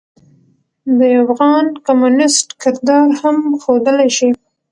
د يوافغان کميونسټ کردار هم ښودلے شي.